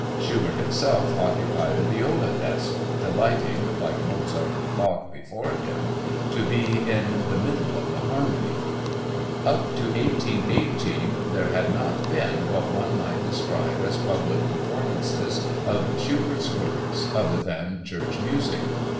Schubert himself occupied a viola desk delighting, like Mozart and Bach before him, to be "in the middle of the harmony." Up to 1818 there had not been what one might describe as public performances of Schubert's works other than church music.